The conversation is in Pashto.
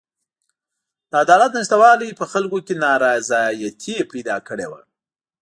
د عدالت نشتوالي په خلکو کې نارضایتي پیدا کړې وه.